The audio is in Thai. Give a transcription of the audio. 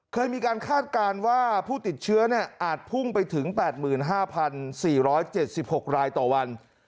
เคยมีการคาดการณ์ว่าผู้ติดเชื้ออาจพุ่งไปถึง๘๕๔๗๖รายต่อวัน